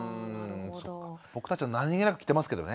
僕たちは何気なく着てますけどね。